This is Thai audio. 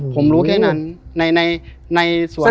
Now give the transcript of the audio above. อ๋อผมรู้แค่นั้นในส่วนของทางพอดี